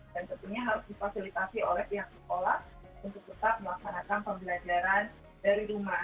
dan tentunya harus difasilitasi oleh pihak sekolah untuk tetap melaksanakan pembelajaran dari rumah